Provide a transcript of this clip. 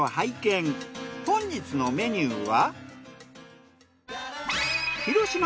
本日のメニューは？